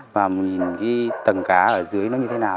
và nhìn cái tầng cá ở dưới nó như thế nào